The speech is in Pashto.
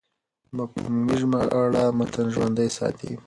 مفهومي ژباړه متن ژوندی ساتي.